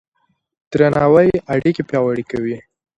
درناوی اړيکې پياوړې کوي.